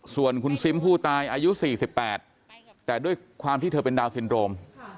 ส่วนคุณซิมผู้ตายอายุ๔๘แต่ด้วยความที่เธอเป็นดาวนซินโรม